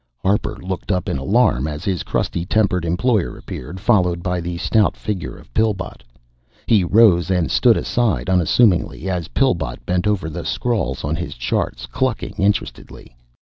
Harper looked up in alarm as his crusty tempered employer appeared, followed by the stout figure of Pillbot. He rose and stood aside unassumingly, as Pillbot bent over the scrawls on his charts, clucking interestedly.